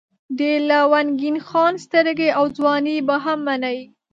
د لونګین خان سترګې او ځواني به هم منئ.